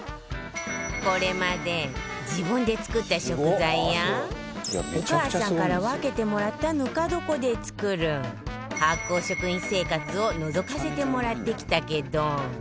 これまで自分で作った食材やお母さんから分けてもらったぬか床で作る発酵食品生活をのぞかせてもらってきたけど